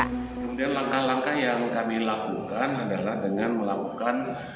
kemudian langkah langkah yang kami lakukan adalah dengan melakukan